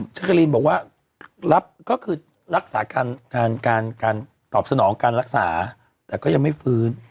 จักรีนบอกว่ารับก็คือรักษาการการตอบสนองการรักษาแต่ก็ยังไม่ฟื้น